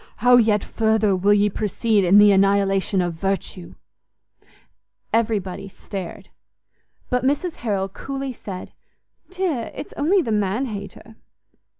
How yet further will ye proceed in the annihilation of virtue!" Everybody stared; but Mrs Harrel coolly said, "Dear, it's only the man hater!"